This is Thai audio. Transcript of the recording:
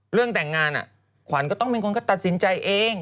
เรื่องแต่งงานขวัญก็ต้องเป็นคนก็ตัดสินใจเอง